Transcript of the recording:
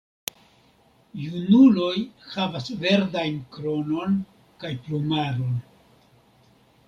Junuloj havas verdajn kronon kaj plumaron.